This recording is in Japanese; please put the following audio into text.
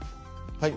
はい。